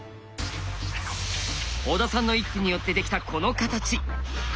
小田さんの一手によってできたこの形。